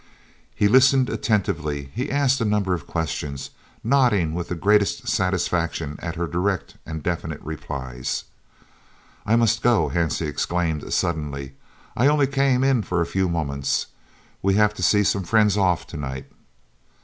He listened attentively, he asked a number of questions, nodding with the greatest satisfaction at her direct and definite replies. "I must go," Hansie exclaimed suddenly, "I only came in for a few moments. We have to see some friends off to night."